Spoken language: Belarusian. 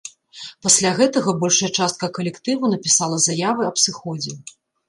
Пасля гэтага большая частка калектыву напісала заявы аб сыходзе.